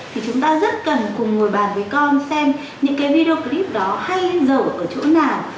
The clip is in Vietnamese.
thì chúng ta rất cần cùng ngồi bàn với con xem những cái video clip đó hay dầu ở chỗ nào